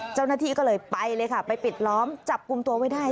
เจ้าหน้าที่ก็เลยไปเลยค่ะไปปิดล้อมจับกลุ่มตัวไว้ได้